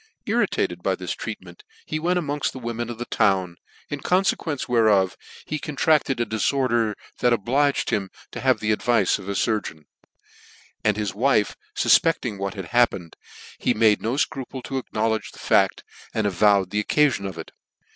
Irritated by this treat ment v ie went among the women of the town, in coniequence whereof he contracted a dilorder that obligrd him to have the advice ot a furgeon : and his wiiv fufpecting what had happened, he made no Icropir to acknowledge the fact, and avow the occafi;>n of it.